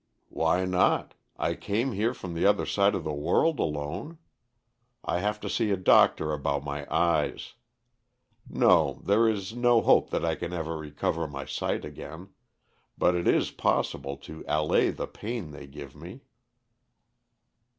"Why not? I came here from the other side of the world alone. I have to see a doctor about my eyes. No, there is no hope that I can ever recover my sight again; but it is possible to allay the pain they give me."